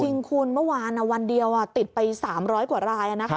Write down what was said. จริงคุณเมื่อวานวันเดียวติดไป๓๐๐กว่าราย